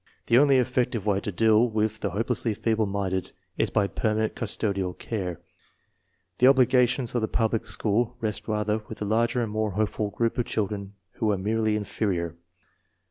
The only effective way to MENTAL TESTS OF SCHOOL LAGGAEDS 133 deal with the hopelessly feeble minded is by perma nent custodial care. The obligations of the public school rest rather with the larger and more hopeful group of children who are merely inferior.